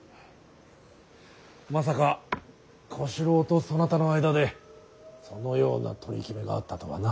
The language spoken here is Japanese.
まさか小四郎とそなたの間でそのような取り決めがあったとはな。